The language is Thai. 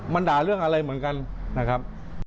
มันด่าเรื่องอะไรเหมือนกันนะครับ